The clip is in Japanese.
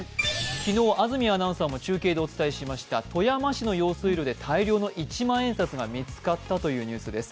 昨日、安住アナウンサーも中継でお伝えしました富山市の用水路で大量の一万円札が見つかったというニュースです。